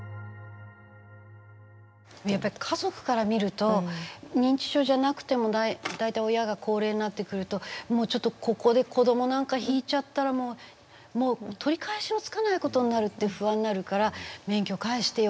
やっぱり家族から見ると認知症じゃなくても大体親が高齢になってくるともうちょっとここで子供なんかひいちゃったらもう取り返しのつかないことになるって不安になるから免許返してよ